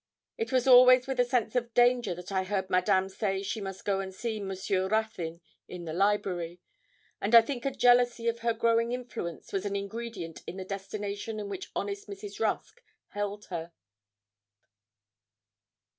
It was always with a sense of danger that I heard Madame say she must go and see Monsieur Ruthyn in the library, and I think a jealousy of her growing influence was an ingredient in the detestation in which honest Mrs. Rusk held her.